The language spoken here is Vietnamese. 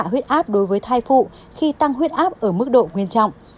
huyết áp đối với thai phụ khi tăng huyết áp ở mức độ nguyên trọng